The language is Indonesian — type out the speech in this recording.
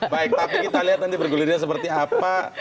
baik tapi kita lihat nanti bergulirnya seperti apa